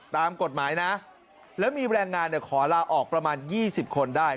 ตามกฎหมายนะแล้วมีแรงงานขอลาออกประมาณ๒๐คนได้